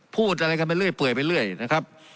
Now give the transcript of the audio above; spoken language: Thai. พูดอะไรกันไปเรื่อยไปเรื่อยนะครับ